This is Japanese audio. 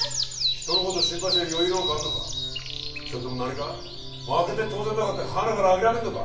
人のこと心配してる余裕なんかあんのかそれとも何か負けて当然だからってはなから諦めるのか？